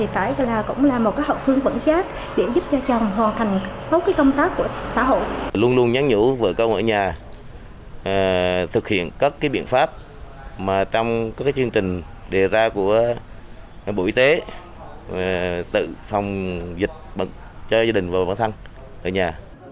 trong các chương trình đề ra của bộ y tế tự phòng dịch bật cho gia đình và bản thân ở nhà